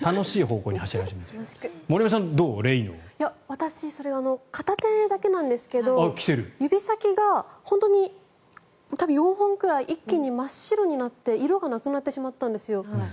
私、片手だけなんですけど指先が本当に、多分４本くらい一気に真っ白になって色がなくなってしまったんです。